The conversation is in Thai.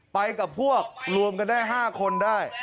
ไปกับพวกรวมกันได้๕คนได้